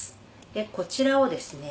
「でこちらをですね